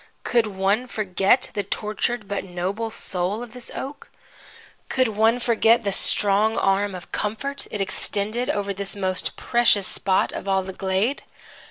Could one forget the tortured but noble soul of this oak? Could one forget the strong arm of comfort it extended over this most precious spot of all the glade?